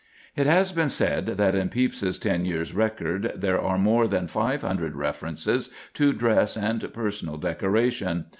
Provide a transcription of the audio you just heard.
It has been said that in Pepys's ten years' record there are more than five hundred references to dress and personal decoration.